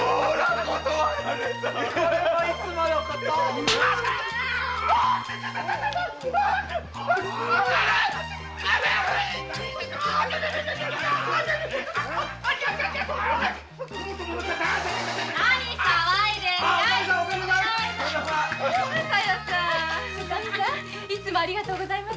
おカミさんいつもありがとうございます。